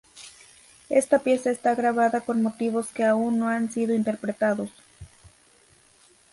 Esta pieza está grabada con motivos que aún no han sido interpretados.